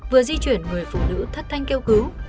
vừa di chuyển người phụ nữ thất thanh kêu cứu